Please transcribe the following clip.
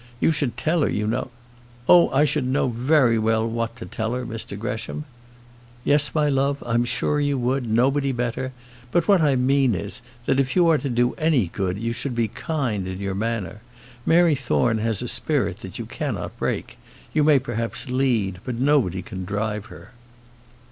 You should tell her, you know " "Oh, I should know very well what to tell her, Mr Gresham." "Yes, my love; I'm sure you would; nobody better. But what I mean is, that if you are to do any good, you should be kind in your manner. Mary Thorne has a spirit that you cannot break. You may perhaps lead, but nobody can drive her."